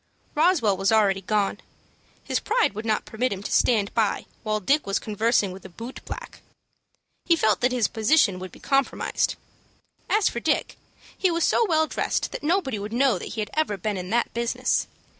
Roswell was already gone. His pride would not permit him to stand by while Dick was conversing with a boot black. He felt that his position would be compromised. As for Dick, he was so well dressed that nobody would know that he had ever been in that business.